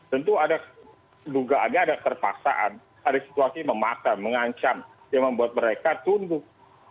tentu ada dugaannya ada terpaksaan ada situasi memakan mengancam yang membuat mereka tumbuh